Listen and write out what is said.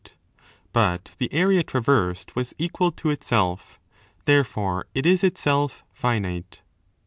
273% DE CAELO but the area traversed was equal to itself; therefore, it is itself finite.!